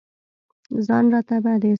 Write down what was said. ځان راته بد اېسېد.